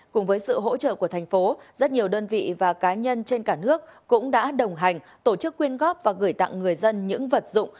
cùng với sự hỗ trợ của thành phố rất nhiều đơn vị và cá nhân trên cả nước cũng đã đồng hành tổ chức quyên góp và gửi tặng người dân những vật dụng